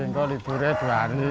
enggak liburnya dua hari